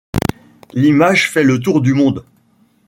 L'image fait le tour du monde.